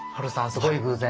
すごい偶然。